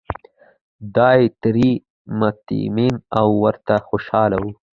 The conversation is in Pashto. دای ترې مطمین او ورته خوشاله و.